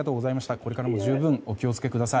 これからも十分お気をつけください。